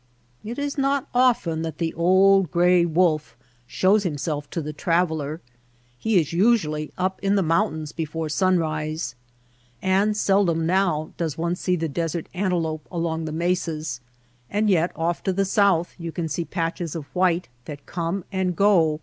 It is not often that the old gray wolf shows himself to the traveller. He is usually up in the mountains before sunrise. And seldom now does one see the desert antelope along the mesas, and yet off to the south you can see patches of white that come and go almost like flashing mirrors in the sun.